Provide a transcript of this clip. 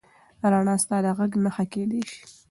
رڼا ستا د غږ نښه کېدی شي.